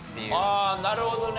ああなるほどね。